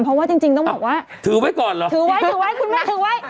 เพราะว่าจริงจริงต้องบอกว่าถือไว้ก่อนเหรอถือไว้ถือไว้คุณแม่ถือไว้